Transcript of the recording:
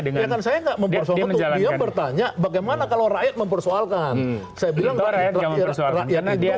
dengan saya nggak mempersoalkan dia bertanya bagaimana kalau rakyat mempersoalkan saya bilang